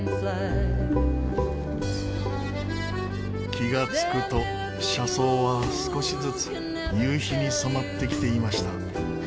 気がつくと車窓は少しずつ夕日に染まってきていました。